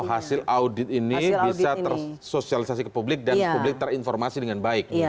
hasil audit ini bisa tersosialisasi ke publik dan publik terinformasi dengan baik